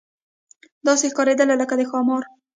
داسې ښکارېدله لکه د ښامار.